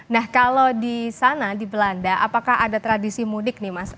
nah kalau di sana di belanda apakah ada tradisi mudik nih mas